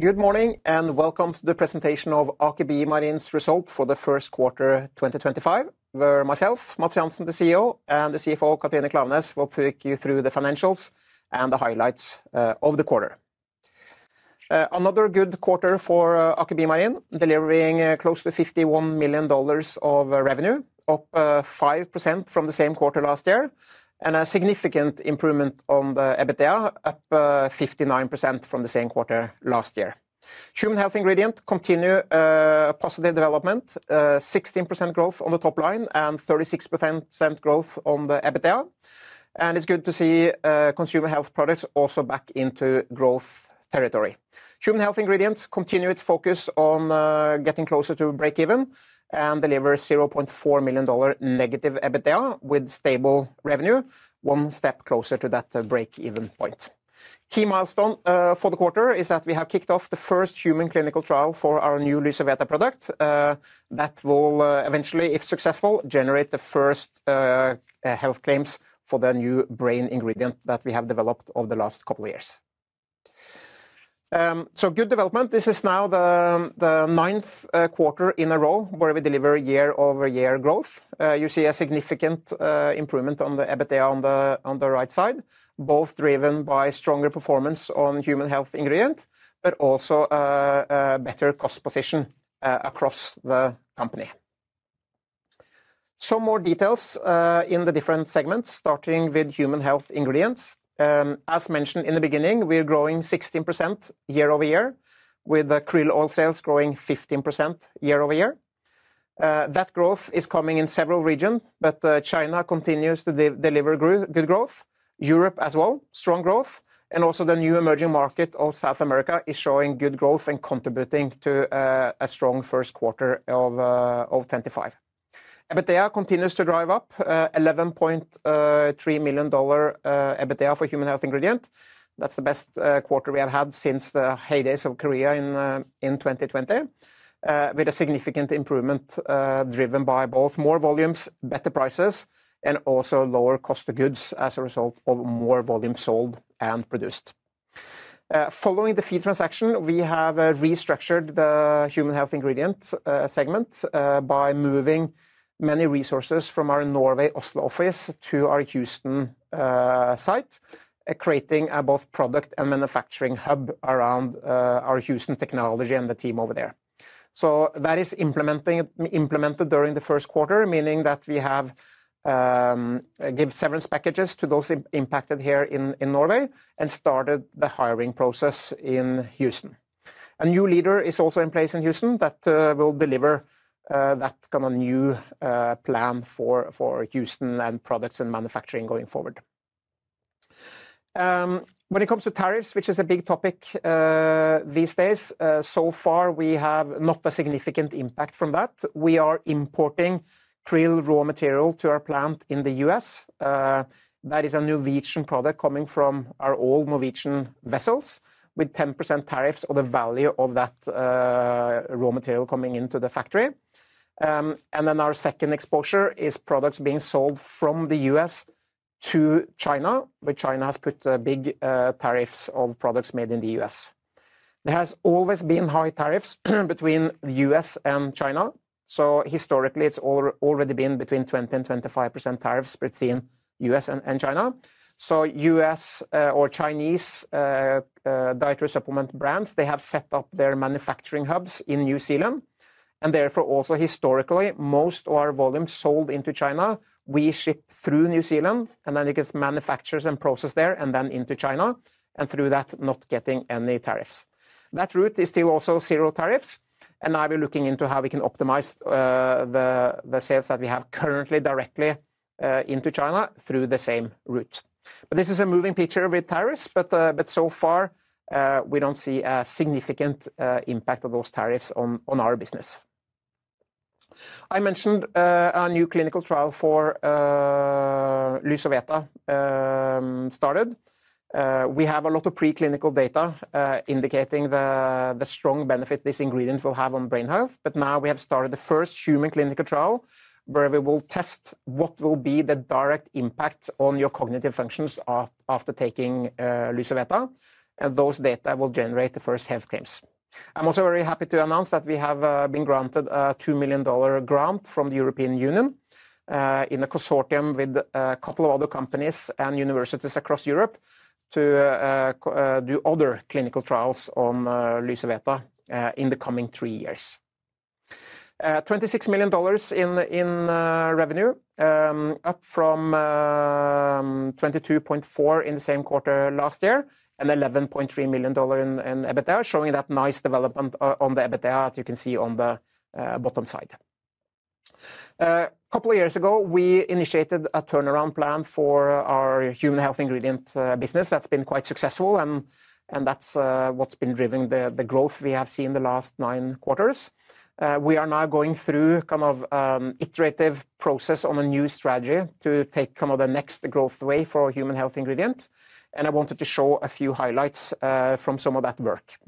Good morning and welcome to the presentation of Aker BioMarine's result for the first quarter 2025, where myself, Matts Johansen, the CEO, and the CFO, Katrine Klaveness, will take you through the financials and the highlights of the quarter. Another good quarter for Aker BioMarine, delivering close to $51 million of revenue, up 5% from the same quarter last year, and a significant improvement on the EBITDA, up 59% from the same quarter last year. Human health ingredient continues positive development, 16% growth on the top line and 36% growth on the EBITDA. It is good to see consumer health products also back into growth territory. Human health ingredients continue its focus on getting closer to break-even and deliver $0.4 million negative EBITDA with stable revenue, one step closer to that break-even point. Key milestone for the quarter is that we have kicked off the first human clinical trial for our new Lucereta product that will eventually, if successful, generate the first health claims for the new brain ingredient that we have developed over the last couple of years. Good development. This is now the ninth quarter in a row where we deliver year-over-year growth. You see a significant improvement on the EBITDA on the right side, both driven by stronger performance on human health ingredient, but also a better cost position across the company. Some more details in the different segments, starting with human health ingredients. As mentioned in the beginning, we are growing 16% year-over-year, with the krill oil sales growing 15% year-over-year. That growth is coming in several regions, but China continues to deliver good growth. Europe as well, strong growth. Also, the new emerging market of South America is showing good growth and contributing to a strong first quarter of 2025. EBITDA continues to drive up, $11.3 million EBITDA for human health ingredient. That is the best quarter we have had since the heydays of Korea in 2020, with a significant improvement driven by both more volumes, better prices, and also lower cost of goods as a result of more volume sold and produced. Following the feed transaction, we have restructured the human health ingredient segment by moving many resources from our Norway, Oslo office to our Houston site, creating both a product and manufacturing hub around our Houston technology and the team over there. That is implemented during the first quarter, meaning that we have given severance packages to those impacted here in Norway and started the hiring process in Houston. A new leader is also in place in Houston that will deliver that kind of new plan for Houston and products and manufacturing going forward. When it comes to tariffs, which is a big topic these days, so far we have not had a significant impact from that. We are importing krill raw material to our plant in the U.S. That is a Norwegian product coming from our old Norwegian vessels with 10% tariffs on the value of that raw material coming into the factory. Our second exposure is products being sold from the U.S. to China, where China has put big tariffs on products made in the U.S.. There have always been high tariffs between the U.S. and China. Historically, it has already been between 20% and 25% tariffs between the U.S. and China. U.S. or Chinese dietary supplement brands have set up their manufacturing hubs in New Zealand. Therefore, also historically, most of our volumes sold into China, we ship through New Zealand, and then it gets manufactured and processed there and then into China, and through that not getting any tariffs. That route is still also zero tariffs. Now we're looking into how we can optimize the sales that we have currently directly into China through the same route. This is a moving picture with tariffs, but so far we do not see a significant impact of those tariffs on our business. I mentioned a new clinical trial for Lucereta started. We have a lot of preclinical data indicating the strong benefit this ingredient will have on brain health. Now we have started the first human clinical trial where we will test what will be the direct impact on your cognitive functions after taking Lucereta. Those data will generate the first health claims. I'm also very happy to announce that we have been granted a $2 million grant from the European Union in a consortium with a couple of other companies and universities across Europe to do other clinical trials on Lucereta in the coming three years. $26 million in revenue, up from $22.4 million in the same quarter last year and $11.3 million in EBITDA, showing that nice development on the EBITDA that you can see on the bottom side. A couple of years ago, we initiated a turnaround plan for our human health ingredient business that's been quite successful, and that's what's been driving the growth we have seen the last nine quarters. We are now going through kind of an iterative process on a new strategy to take kind of the next growth wave for human health ingredient. I wanted to show a few highlights from some of that work.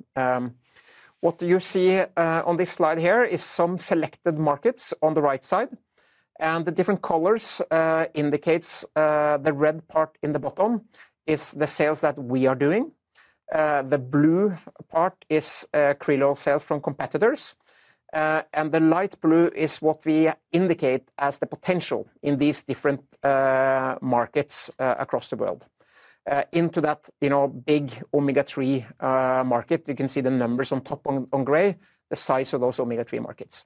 What you see on this slide here is some selected markets on the right side. The different colors indicate the red part in the bottom is the sales that we are doing. The blue part is krill oil sales from competitors. The light blue is what we indicate as the potential in these different markets across the world. Into that big omega-3 market, you can see the numbers on top on gray, the size of those omega-3 markets.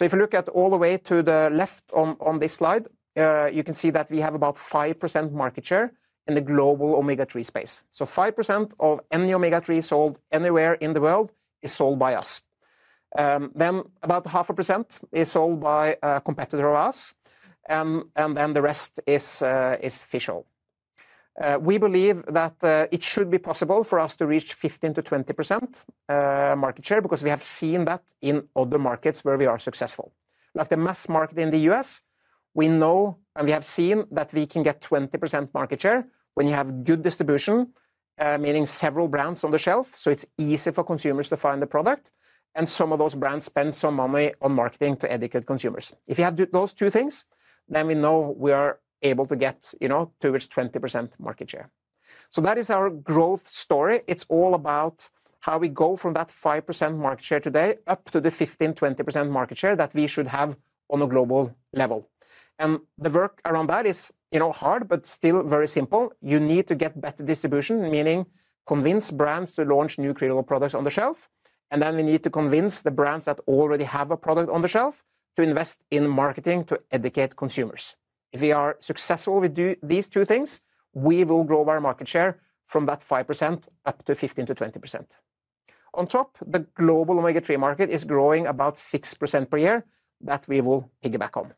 If you look at all the way to the left on this slide, you can see that we have about 5% market share in the global omega-3 space. 5% of any omega-3 sold anywhere in the world is sold by us. Then about half a percent is sold by a competitor of ours. The rest is fish oil. We believe that it should be possible for us to reach 15% to 20% market share because we have seen that in other markets where we are successful. Like the mass market in the U.S., we know and we have seen that we can get 20% market share when you have good distribution, meaning several brands on the shelf. It is easy for consumers to find the product. Some of those brands spend some money on marketing to educate consumers. If you have those two things, we know we are able to get towards 20% market share. That is our growth story. It's all about how we go from that 5% market share today up to the 15 to 20% market share that we should have on a global level. The work around that is hard, but still very simple. You need to get better distribution, meaning convince brands to launch new krill products on the shelf. We need to convince the brands that already have a product on the shelf to invest in marketing to educate consumers. If we are successful with these two things, we will grow our market share from that 5% up to 15 to 20%. On top, the global omega-3 market is growing about 6% per year that we will piggyback on.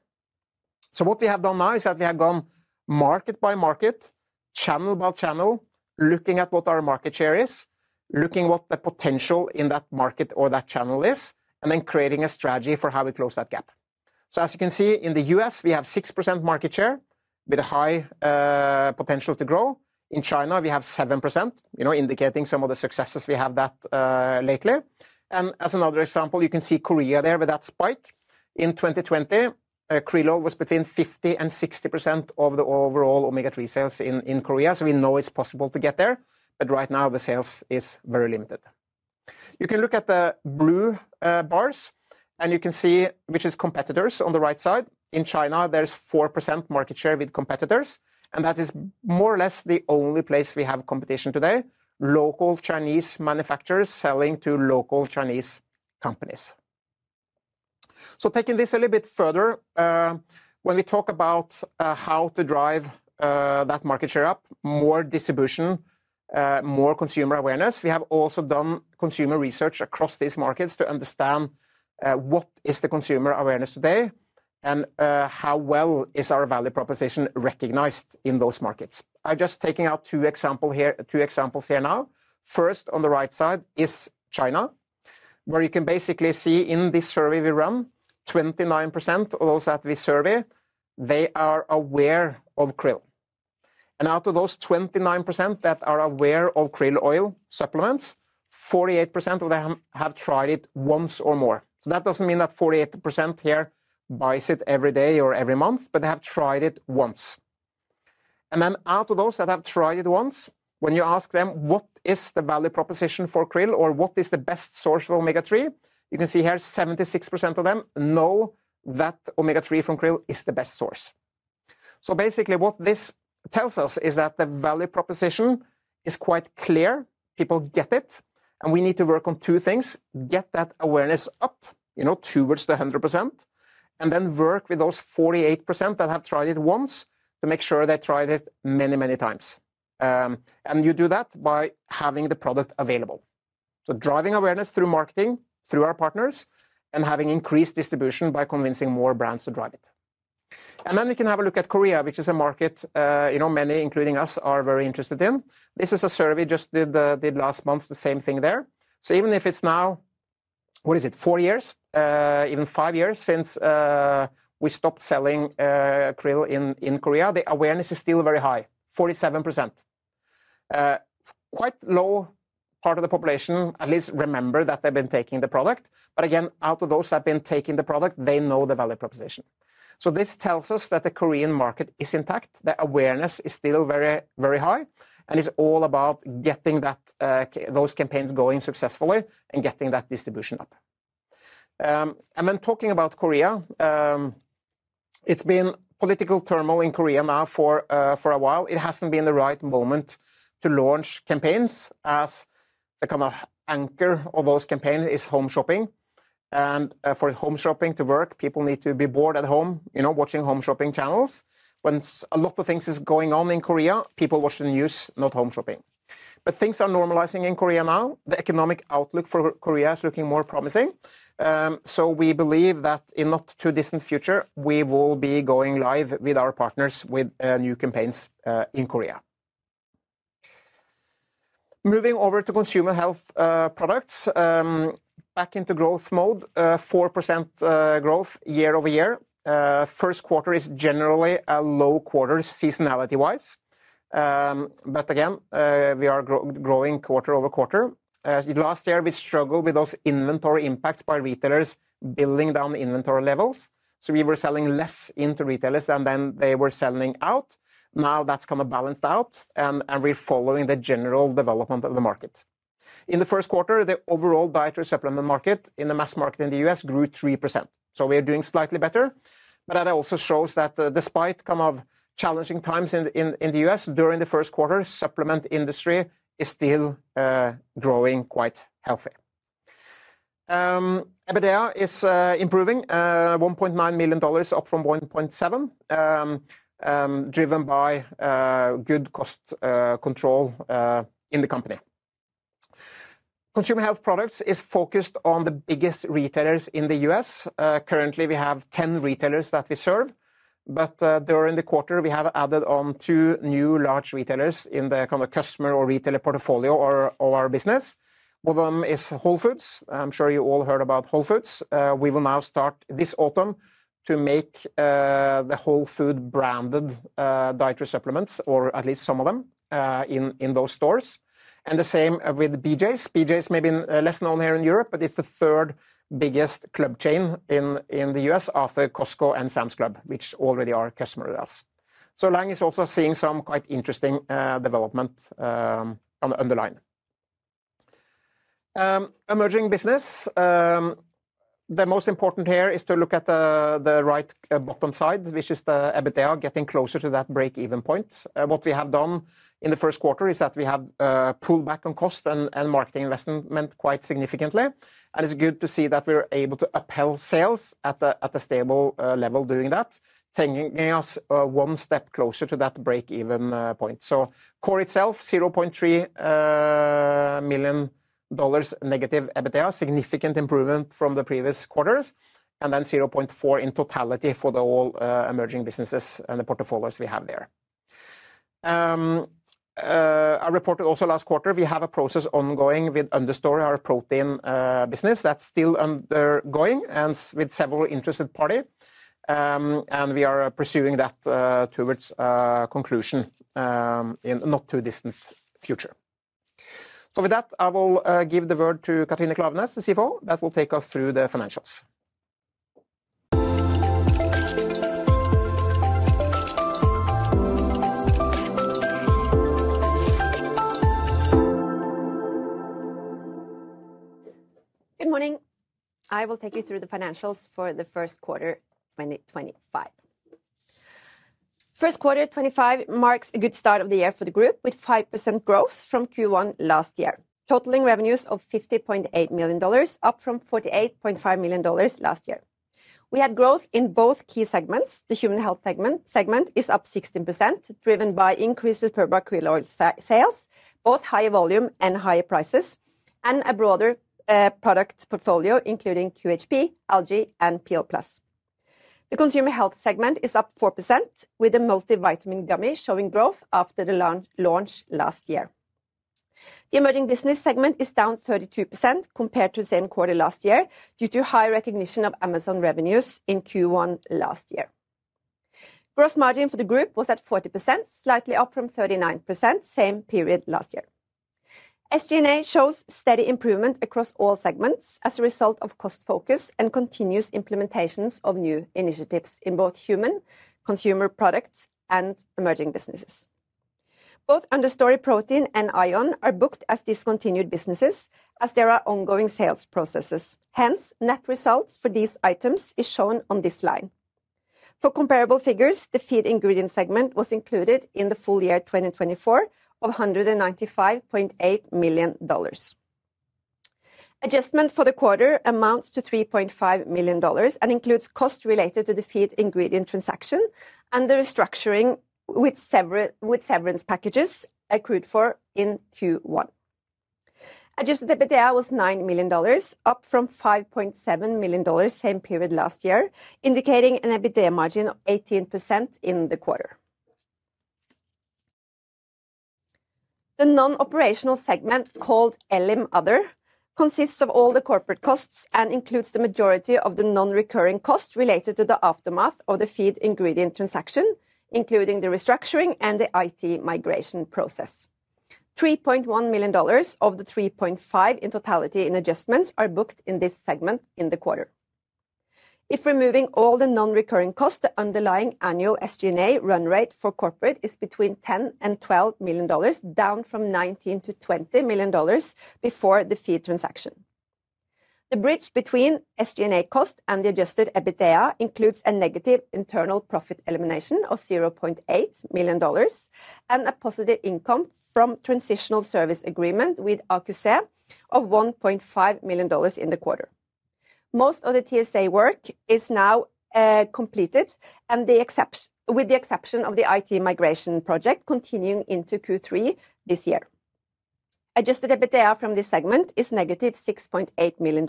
What we have done now is that we have gone market by market, channel by channel, looking at what our market share is, looking at what the potential in that market or that channel is, and then creating a strategy for how we close that gap. As you can see, in the U.S., we have 6% market share with a high potential to grow. In China, we have 7%, indicating some of the successes we have had lately. As another example, you can see Korea there with that spike. In 2020, krill oil was between 50 and 60% of the overall omega-3 sales in Korea. We know it's possible to get there. Right now, the sales is very limited. You can look at the blue bars and you can see which is competitors on the right side. In China, there's 4% market share with competitors. That is more or less the only place we have competition today, local Chinese manufacturers selling to local Chinese companies. Taking this a little bit further, when we talk about how to drive that market share up, more distribution, more consumer awareness, we have also done consumer research across these markets to understand what is the consumer awareness today and how well is our value proposition recognized in those markets. I'm just taking out two examples here now. First, on the right side is China, where you can basically see in this survey we run, 29% of those that we survey, they are aware of krill. Out of those 29% that are aware of krill oil supplements, 48% of them have tried it once or more. That does not mean that 48% here buy it every day or every month, but they have tried it once. Out of those that have tried it once, when you ask them what is the value proposition for krill or what is the best source of omega-3, you can see here 76% of them know that omega-3 from krill is the best source. Basically what this tells us is that the value proposition is quite clear. People get it. We need to work on two things, get that awareness up towards 100%, and then work with those 48% that have tried it once to make sure they try it many, many times. You do that by having the product available. Driving awareness through marketing, through our partners, and having increased distribution by convincing more brands to drive it. We can have a look at Korea, which is a market many including us are very interested in. This is a survey just did last month, the same thing there. Even if it's now, what is it, four years, even five years since we stopped selling krill in Korea, the awareness is still very high, 47%. Quite low part of the population at least remember that they've been taking the product. Again, out of those that have been taking the product, they know the value proposition. This tells us that the Korean market is intact. The awareness is still very, very high. It's all about getting those campaigns going successfully and getting that distribution up. Talking about Korea, it's been political turmoil in Korea now for a while. It hasn't been the right moment to launch campaigns as the kind of anchor of those campaigns is home shopping. For home shopping to work, people need to be bored at home watching home shopping channels. When a lot of things are going on in Korea, people watch the news, not home shopping. Things are normalizing in Korea now. The economic outlook for Korea is looking more promising. We believe that in the not too distant future, we will be going live with our partners with new campaigns in Korea. Moving over to consumer health products, back into growth mode, 4% growth year over year. First quarter is generally a low quarter seasonality-wise. We are growing quarter over quarter. Last year, we struggled with those inventory impacts by retailers building down inventory levels. We were selling less into retailers than they were selling out. Now that's kind of balanced out. We are following the general development of the market. In the first quarter, the overall dietary supplement market in the mass market in the U.S. grew 3%. We are doing slightly better. That also shows that despite kind of challenging times in the U.S., during the first quarter, the supplement industry is still growing quite healthy. EBITDA is improving, $1.9 million up from $1.7 million, driven by good cost control in the company. Consumer health products is focused on the biggest retailers in the U.S. Currently, we have 10 retailers that we serve. During the quarter, we have added on two new large retailers in the kind of customer or retailer portfolio of our business. One of them is Whole Foods. I'm sure you all heard about Whole Foods. We will now start this autumn to make the Whole Foods branded dietary supplements, or at least some of them, in those stores. The same with BJ's. BJ's may be less known here in Europe, but it's the third biggest club chain in the U.S. after Costco and Sam's Club, which already are customers of us. Lang is also seeing some quite interesting development on the line. Emerging business, the most important here is to look at the right bottom side, which is the EBITDA getting closer to that break-even point. What we have done in the first quarter is that we have pulled back on cost and marketing investment quite significantly. It's good to see that we're able to uphold sales at a stable level doing that, taking us one step closer to that break-even point. Core itself, $0.3 million negative EBITDA, significant improvement from the previous quarters. Then $0.4 million in totality for all emerging businesses and the portfolios we have there. I reported also last quarter, we have a process ongoing with Understory, our protein business that's still undergoing and with several interested parties. We are pursuing that towards conclusion in not too distant future. With that, I will give the word to Katrine Klaveness, the CFO, that will take us through the financials. Good morning. I will take you through the financials for the first quarter 2025. First quarter 2025 marks a good start of the year for the group with 5% growth from Q1 last year, totaling revenues of $50.8 million, up from $48.5 million last year. We had growth in both key segments. The human health segment is up 16%, driven by increases per Superba Krill Oil sales, both higher volume and higher prices, and a broader product portfolio, including QHP, algae, and PL+. The consumer health segment is up 4% with a multivitamin gummy showing growth after the launch last year. The emerging business segment is down 32% compared to the same quarter last year due to high recognition of Amazon revenues in Q1 last year. Gross margin for the group was at 40%, slightly up from 39% same period last year. SG&A shows steady improvement across all segments as a result of cost focus and continuous implementations of new initiatives in both human consumer products and emerging businesses. Both Understory Protein and ION are booked as discontinued businesses as there are ongoing sales processes. Hence, net results for these items are shown on this line. For comparable figures, the feed ingredient segment was included in the full year 2024 of $195.8 million. Adjustment for the quarter amounts to $3.5 million and includes costs related to the feed ingredient transaction and the restructuring with severance packages accrued for in Q1. Adjusted EBITDA was $9 million, up from $5.7 million same period last year, indicating an EBITDA margin of 18% in the quarter. The non-operational segment called LM Other consists of all the corporate costs and includes the majority of the non-recurring costs related to the aftermath of the feed ingredient transaction, including the restructuring and the IT migration process. $3.1 million of the $3.5 million in totality in adjustments are booked in this segment in the quarter. If removing all the non-recurring costs, the underlying annual SG&A run rate for corporate is between $10-$12 million, down from $19-$20 million before the feed transaction. The bridge between SG&A cost and the adjusted EBITDA includes a negative internal profit elimination of $0.8 million and a positive income from transitional service agreement with Arcus Air of $1.5 million in the quarter. Most of the TSA work is now completed, with the exception of the IT migration project continuing into Q3 this year. Adjusted EBITDA from this segment is negative $6.8 million,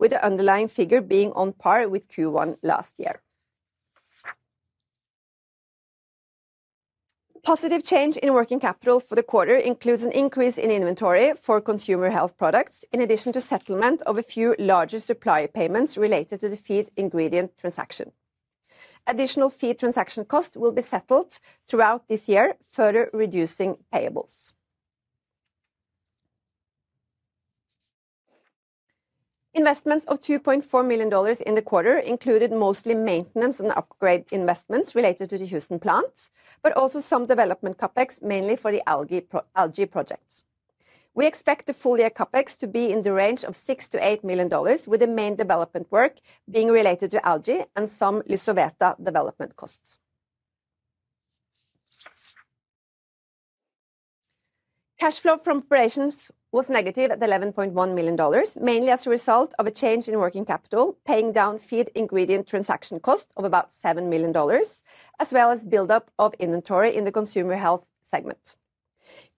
with the underlying figure being on par with Q1 last year. Positive change in working capital for the quarter includes an increase in inventory for consumer health products, in addition to settlement of a few larger supply payments related to the feed ingredient transaction. Additional feed transaction costs will be settled throughout this year, further reducing payables. Investments of $2.4 million in the quarter included mostly maintenance and upgrade investments related to the Houston plant, but also some development CapEx mainly for the algae projects. We expect the full year CapEx to be in the range of $6 to $8 million, with the main development work being related to algae and some Lysoveta development costs. Cash flow from operations was negative at $11.1 million, mainly as a result of a change in working capital, paying down feed ingredient transaction cost of about $7 million, as well as build-up of inventory in the consumer health segment.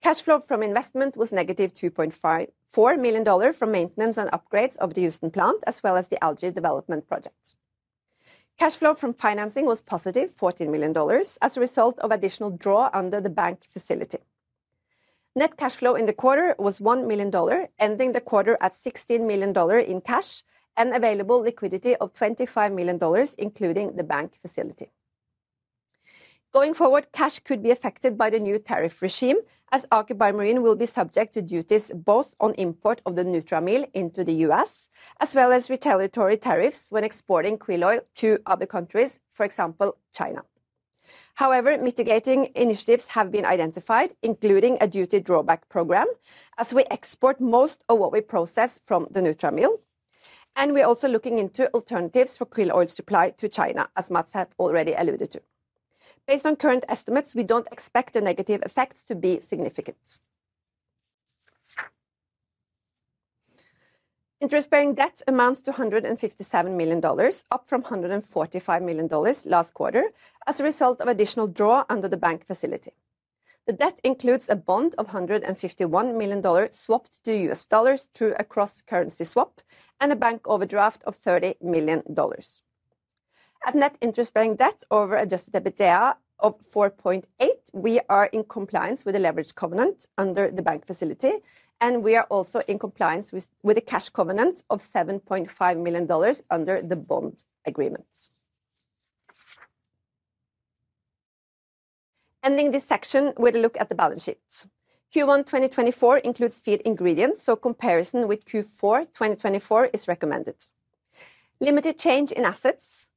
Cash flow from investment was negative $2.4 million from maintenance and upgrades of the Houston plant, as well as the algae development project. Cash flow from financing was positive, $14 million, as a result of additional draw under the bank facility. Net cash flow in the quarter was $1 million, ending the quarter at $16 million in cash and available liquidity of $25 million, including the bank facility. Going forward, cash could be affected by the new tariff regime, as Aker BioMarine will be subject to duties both on import of the Nutramil into the U.S., as well as retaliatory tariffs when exporting krill oil to other countries, for example, China. However, mitigating initiatives have been identified, including a duty drawback program, as we export most of what we process from the Nutramil. We are also looking into alternatives for krill oil supply to China, as Matts had already alluded to. Based on current estimates, we do not expect the negative effects to be significant. Interest-bearing debt amounts to $157 million, up from $145 million last quarter, as a result of additional draw under the bank facility. The debt includes a bond of $151 million swapped to U.S. dollars through a cross-currency swap and a bank overdraft of $30 million. At net interest-bearing debt over adjusted EBITDA of 4.8, we are in compliance with the leverage covenant under the bank facility, and we are also in compliance with a cash covenant of $7.5 million under the bond agreement. Ending this section with a look at the balance sheet. Q1 2024 includes feed ingredients, so comparison with Q4 2024 is recommended. Limited change in assets.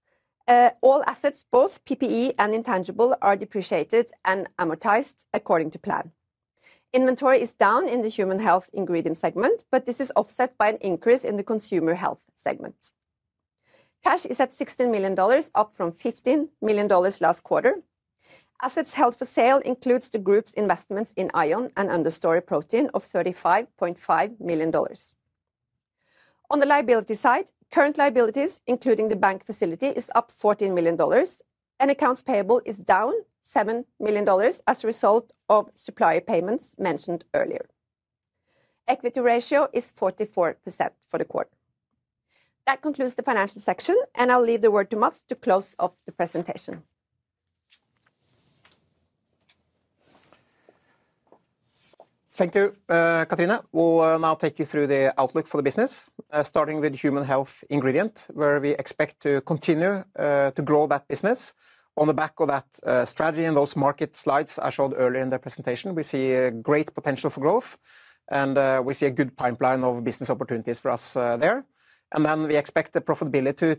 All assets, both PPE and intangible, are depreciated and amortized according to plan. Inventory is down in the human health ingredient segment, but this is offset by an increase in the consumer health segment. Cash is at $16 million, up from $15 million last quarter. Assets held for sale includes the group's investments in ION and Understory Protein of $35.5 million. On the liability side, current liabilities, including the bank facility, are up $14 million. Accounts payable are down $7 million as a result of supplier payments mentioned earlier. Equity ratio is 44% for the quarter. That concludes the financial section, and I'll leave the word to Matt to close off the presentation. Thank you, Katrine. We'll now take you through the outlook for the business, starting with human health ingredient, where we expect to continue to grow that business. On the back of that strategy and those market slides I showed earlier in the presentation, we see great potential for growth, and we see a good pipeline of business opportunities for us there. We expect the profitability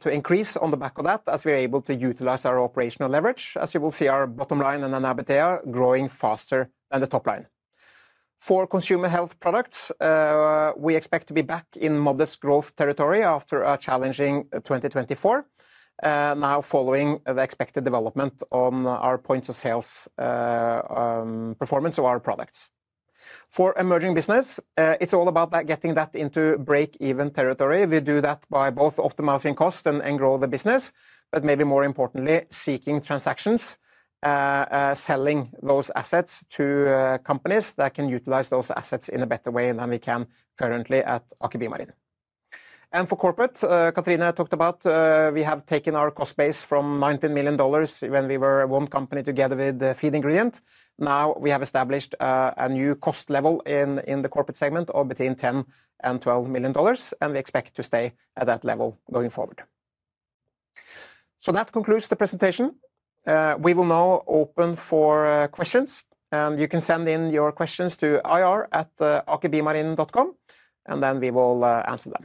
to increase on the back of that, as we are able to utilize our operational leverage, as you will see our bottom line and then EBITDA growing faster than the top line. For consumer health products, we expect to be back in modest growth territory after a challenging 2024, now following the expected development on our points of sales performance of our products. For emerging business, it's all about getting that into break-even territory. We do that by both optimizing costs and growing the business, but maybe more importantly, seeking transactions, selling those assets to companies that can utilize those assets in a better way than we can currently at Aker BioMarine. For corporate, Katrine talked about, we have taken our cost base from $19 million when we were one company together with the feed ingredient. Now we have established a new cost level in the corporate segment of between $10 and $12 million, and we expect to stay at that level going forward. That concludes the presentation. We will now open for questions, and you can send in your questions to ir@akerbiomarine.com, and then we will answer them.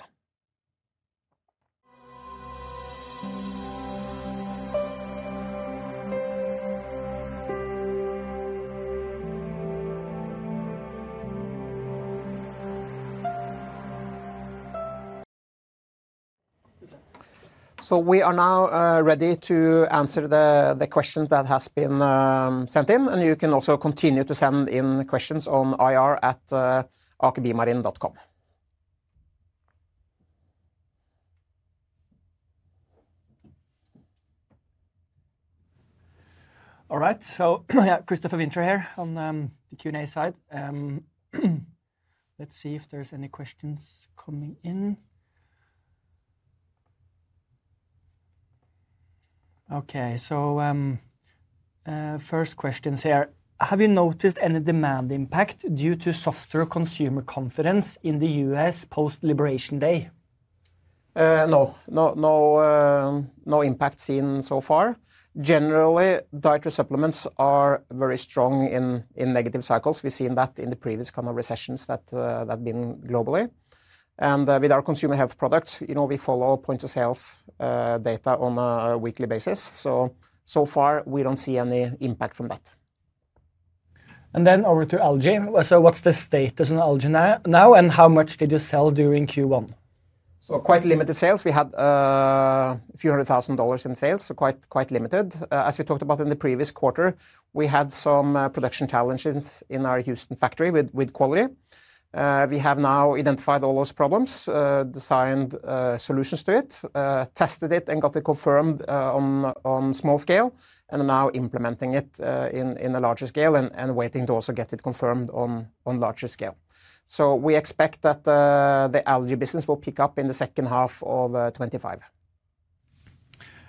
We are now ready to answer the questions that have been sent in, and you can also continue to send in questions on ir@akerbiomarine.com. All right, Christopher Vinter here on the Q&A side. Let's see if there's any questions coming in. Okay, first questions here. Have you noticed any demand impact due to softer consumer confidence in the U.S. post-Liberation Day? No, no impact seen so far. Generally, dietary supplements are very strong in negative cycles. We've seen that in the previous kind of recessions that have been globally. With our consumer health products, we follow point-of-sales data on a weekly basis. So far, we don't see any impact from that. Over to algae. What's the status on algae now, and how much did you sell during Q1? Quite limited sales. We had a few hundred thousand dollars in sales, so quite limited. As we talked about in the previous quarter, we had some production challenges in our Houston factory with quality. We have now identified all those problems, designed solutions to it, tested it, and got it confirmed on small scale, and are now implementing it in a larger scale and waiting to also get it confirmed on larger scale. We expect that the algae business will pick up in the second half of 2025.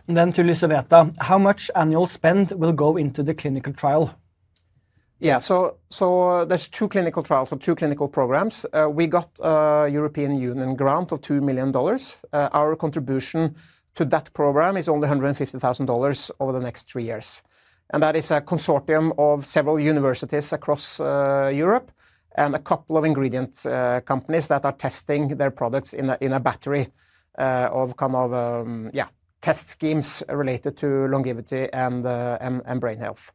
To Lysoveta, how much annual spend will go into the clinical trial? There are two clinical trials for two clinical programs. We got European Union grant of $2 million. Our contribution to that program is only $150,000 over the next three years. That is a consortium of several universities across Europe and a couple of ingredient companies that are testing their products in a battery of, kind of, yeah, test schemes related to longevity and brain health.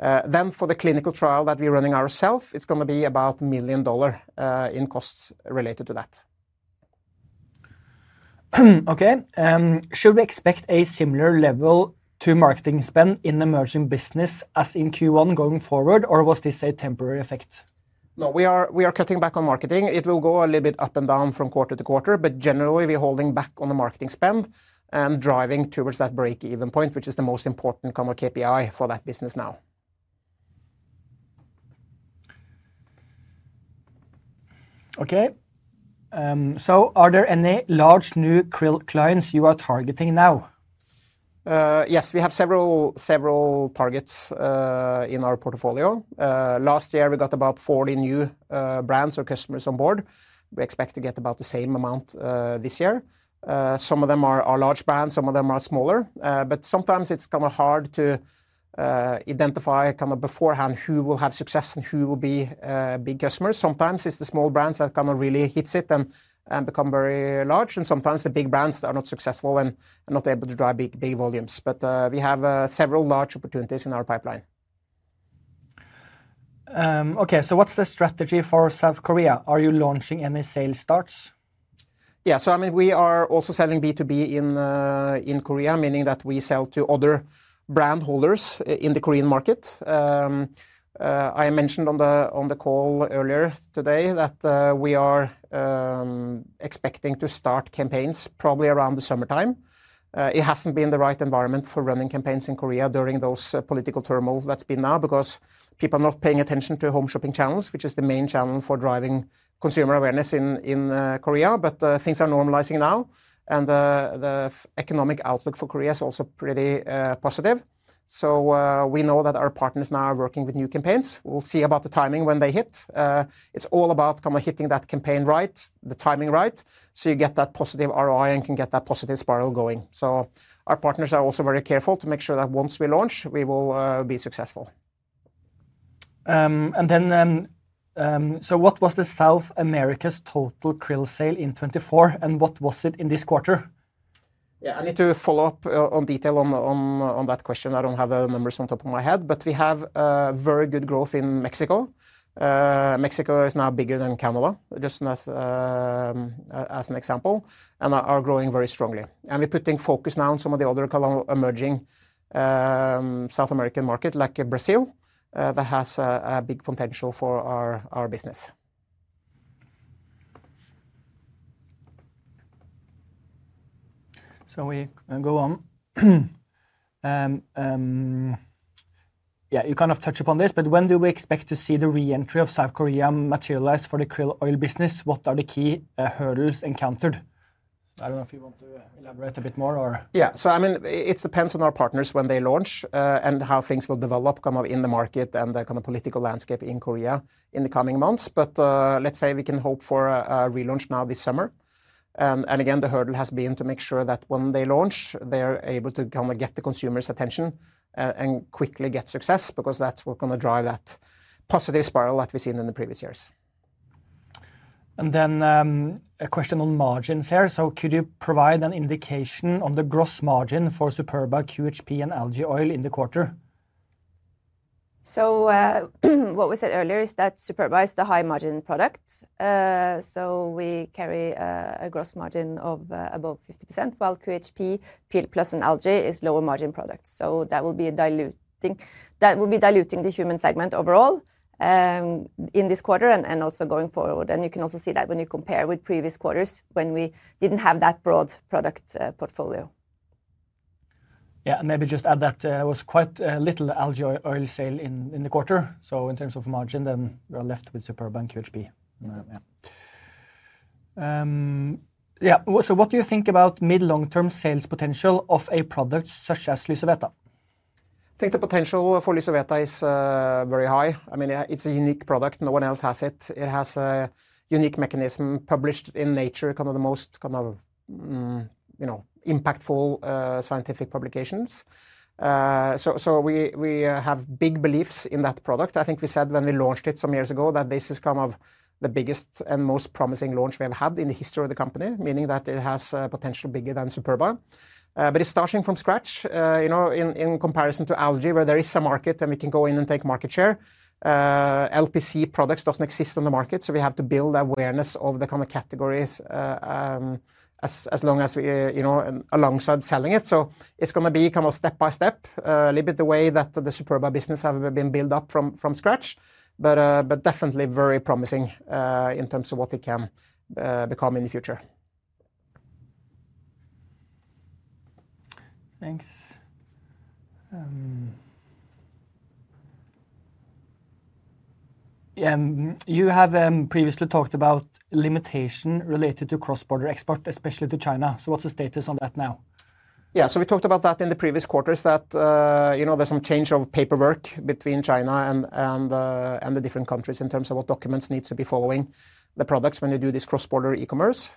For the clinical trial that we're running ourself, it's going to be about $1 million in costs related to that. Okay, should we expect a similar level to marketing spend in emerging business as in Q1 going forward, or was this a temporary effect? No, we are cutting back on marketing. It will go a little bit up and down from quarter to quarter, but generally, we're holding back on the marketing spend and driving towards that break-even point, which is the most important kind of KPI for that business now. Okay, are there any large new krill clients you are targeting now? Yes, we have several targets in our portfolio. Last year, we got about 40 new brands or customers on board. We expect to get about the same amount this year. Some of them are large brands, some of them are smaller. Sometimes it's kind of hard to identify beforehand who will have success and who will be big customers. Sometimes it's the small brands that really hit it and become very large, and sometimes the big brands are not successful and not able to drive big volumes. We have several large opportunities in our pipeline. Okay, what's the strategy for South Korea? Are you launching any sales starts? Yeah, I mean, we are also selling B2B in Korea, meaning that we sell to other brand holders in the Korean market. I mentioned on the call earlier today that we are expecting to start campaigns probably around the summertime. It hasn't been the right environment for running campaigns in Korea during those political turmoils that's been now because people are not paying attention to home shopping channels, which is the main channel for driving consumer awareness in Korea. Things are normalizing now, and the economic outlook for Korea is also pretty positive. We know that our partners now are working with new campaigns. We'll see about the timing when they hit. It's all about kind of hitting that campaign right, the timing right, so you get that positive ROI and can get that positive spiral going. Our partners are also very careful to make sure that once we launch, we will be successful. What was the South America's total krill sale in 2024, and what was it in this quarter? Yeah, I need to follow up on detail on that question. I don't have the numbers on top of my head, but we have very good growth in Mexico. Mexico is now bigger than Canada, just as an example, and are growing very strongly. We're putting focus now on some of the other kind of emerging South American market, like Brazil, that has a big potential for our business. We go on. Yeah, you kind of touched upon this, but when do we expect to see the re-entry of South Korea materialize for the krill oil business? What are the key hurdles encountered? I don't know if you want to elaborate a bit more, or? Yeah, I mean, it depends on our partners when they launch and how things will develop kind of in the market and the kind of political landscape in Korea in the coming months. Let's say we can hope for a relaunch now this summer. Again, the hurdle has been to make sure that when they launch, they're able to kind of get the consumers' attention and quickly get success because that's what's going to drive that positive spiral that we've seen in the previous years. A question on margins here. Could you provide an indication on the gross margin for Superba QHP and algae oil in the quarter? What was it earlier? Superba is the high-margin product. We carry a gross margin of above 50%, while QHP Plus and algae is lower-margin product. That will be diluting the human segment overall in this quarter and also going forward. You can also see that when you compare with previous quarters when we didn't have that broad product portfolio. Yeah, and maybe just add that there was quite little algae oil sale in the quarter. In terms of margin, then we're left with Superba and QHP. Yeah, so what do you think about mid-long-term sales potential of a product such as Lysoveta? I think the potential for Lysoveta is very high. I mean, it's a unique product. No one else has it. It has a unique mechanism published in Nature, kind of the most kind of impactful scientific publications. We have big beliefs in that product. I think we said when we launched it some years ago that this is kind of the biggest and most promising launch we have had in the history of the company, meaning that it has a potential bigger than Superba. It is starting from scratch. In comparison to algae, where there is a market and we can go in and take market share, LPC products don't exist on the market. We have to build awareness of the kind of categories as long as we alongside selling it. It is going to be kind of step by step, a little bit the way that the Superba business has been built up from scratch, but definitely very promising in terms of what it can become in the future. Thanks. Yeah, you have previously talked about limitation related to cross-border export, especially to China. What is the status on that now? Yeah, we talked about that in the previous quarters, that there is some change of paperwork between China and the different countries in terms of what documents need to be following the products when you do this cross-border e-commerce.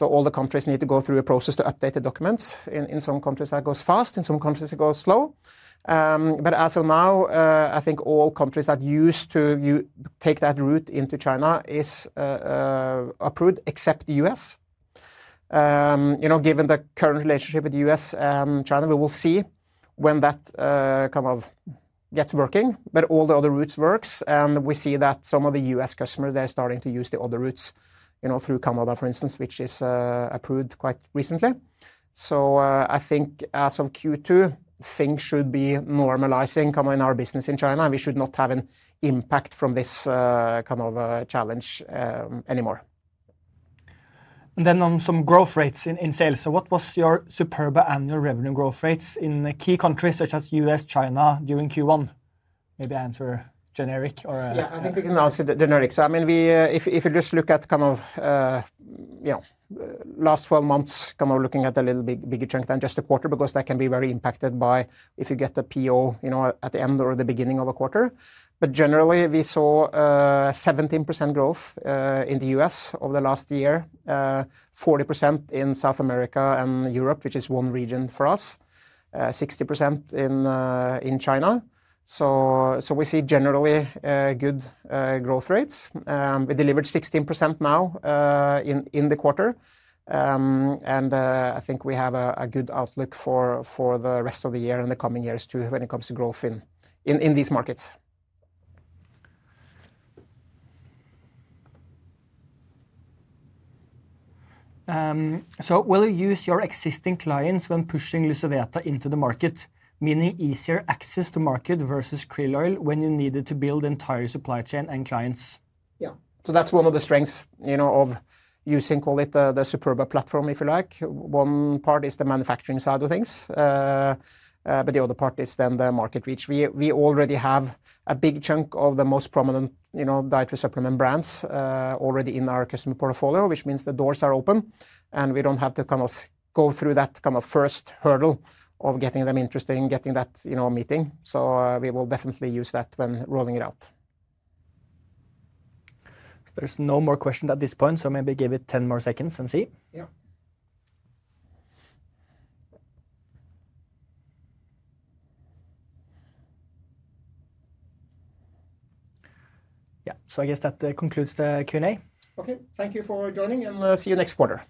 All the countries need to go through a process to update the documents. In some countries, that goes fast. In some countries, it goes slow. As of now, I think all countries that used to take that route into China are approved, except the U.S. Given the current relationship with the U.S. and China, we will see when that kind of gets working. All the other routes work, and we see that some of the U.S. customers, they're starting to use the other routes through Canada, for instance, which is approved quite recently. I think as of Q2, things should be normalizing in our business in China, and we should not have an impact from this kind of challenge anymore. On some growth rates in sales, what was your Superba annual revenue growth rates in key countries such as the U.S. and China during Q1? Maybe answer generic or. Yeah, I think we can answer the generic. If you just look at kind of last 12 months, kind of looking at a little bigger chunk than just a quarter because that can be very impacted by if you get the PO at the end or the beginning of a quarter. Generally, we saw 17% growth in the U.S. over the last year, 40% in South America and Europe, which is one region for us, 60% in China. We see generally good growth rates. We delivered 16% now in the quarter, and I think we have a good outlook for the rest of the year and the coming years too when it comes to growth in these markets. Will you use your existing clients when pushing Lysoveta into the market, meaning easier access to market versus krill oil when you needed to build the entire supply chain and clients? Yeah, that's one of the strengths of using, call it the Superba platform, if you like. One part is the manufacturing side of things, but the other part is the market reach. We already have a big chunk of the most prominent dietary supplement brands already in our customer portfolio, which means the doors are open, and we don't have to kind of go through that first hurdle of getting them interested in getting that meeting. We will definitely use that when rolling it out. There are no more questions at this point, so maybe give it 10 more seconds and see. Yeah, I guess that concludes the Q&A. Okay, thank you for joining, and see you next quarter.